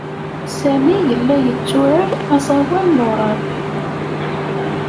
Sami yella yetturar aẓawan n uṛap.